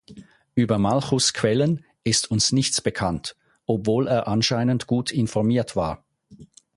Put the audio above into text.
Über Malchus’ Quellen ist uns nichts bekannt, obwohl er anscheinend gut informiert war.